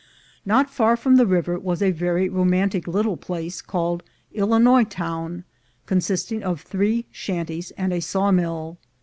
Not far from the river was a very romantic little place called Illinois town, consisting of three shanties and a saw mill.